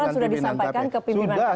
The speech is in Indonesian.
kan sudah disampaikan ke pimpinan kpk